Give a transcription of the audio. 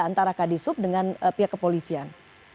antara kadisub dengan pihak kepolisian